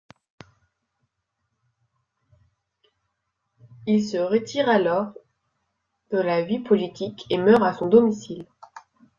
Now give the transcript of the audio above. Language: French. Il se retire alors de la vie politique et meurt à son domicile.